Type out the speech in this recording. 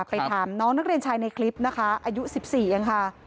ไปถามน้องนักเรียนชายในคลิปนะคะอายุ๑๔เองค่ะ